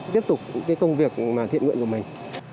tiếp tục công việc thiện nguyện của mình